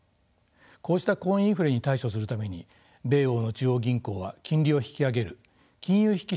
こうした高インフレに対処するために米欧の中央銀行は金利を引き上げる金融引き締めを行っています。